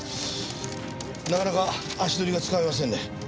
なかなか足取りがつかめませんね。